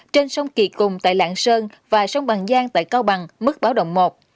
trên sông kỳ cùng tại lạng sơn và sông bằng giang tại cao bằng mức báo động một